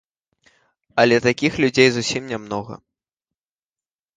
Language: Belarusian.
Але такіх людзей зусім нямнога.